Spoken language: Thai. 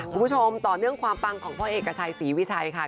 คุณผู้ชมต่อเนื่องความปังของพ่อเอกชัยศรีวิชัยค่ะ